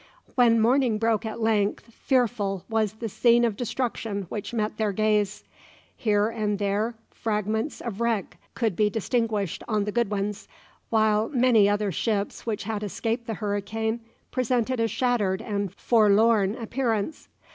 When morning broke at length, fearful was the scene of destruction which met their gaze. Here and there fragments of wreck could be distinguished on the Goodwins, while many other ships which had escaped the hurricane presented a shattered and forlorn appearance.